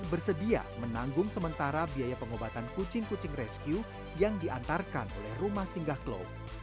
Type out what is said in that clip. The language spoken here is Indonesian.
bersedia menanggung sementara biaya pengobatan kucing kucing rescue yang diantarkan oleh rumah singgah klo